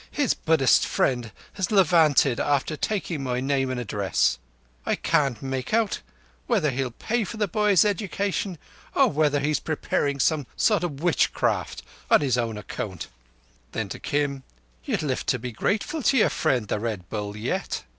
"His Buddhist friend has levanted after taking my name and address. I can't quite make out whether he'll pay for the boy's education or whether he is preparing some sort of witchcraft on his own account." Then to Kim: "You'll live to be grateful to your friend the Red Bull yet.